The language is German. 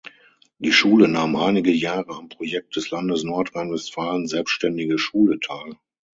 Die Schule nahm einige Jahre am Projekt des Landes Nordrhein-Westfalen Selbstständige Schule teil.